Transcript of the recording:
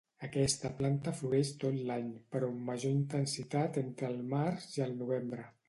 Aquesta planta floreix tot l'any, però amb major intensitat entre el març i el novembre.